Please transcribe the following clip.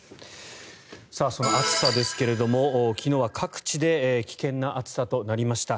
その暑さですが、昨日は各地で危険な暑さとなりました。